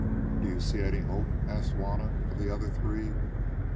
"Do you see any hope?" asked Juanna of the other three.